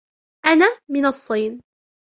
أنا من الصين.